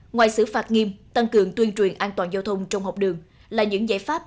ngoài xử phạt nghiêm tăng cường tuyên truyền an toàn giao thông trong học đường là những giải pháp